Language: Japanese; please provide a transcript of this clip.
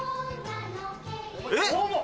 えっ？